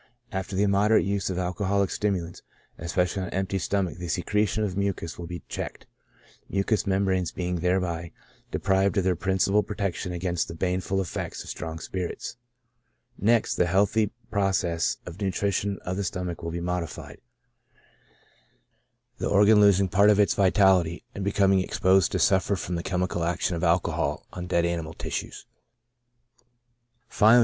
After the immoderate use of alcoholic stim ulants, especially on an empty stomach, the secretion of mucus will be checked, mucous membranes being thereby deprived of their principal protection against the baneful effects of strong spirits ; next, the healthy process of nu trition of the stomach will be modified ; the organ losing part of its vitality, and becoming exposed to suffer from the chemical action of alcohol on dead animal tissues ; finally.